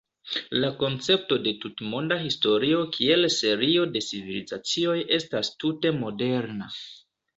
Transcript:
La koncepto de tutmonda historio kiel serio de "civilizacioj" estas tute moderna.